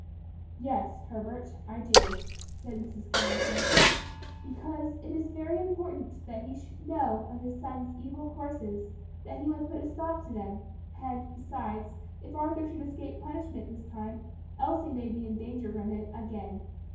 "Yes, Herbert, I do," said Mrs. Carrington, "because it is very important that he should know of his son's evil courses, that he may put a stop to them; and besides, if Arthur should escape punishment this time, Elsie may be in danger from him again.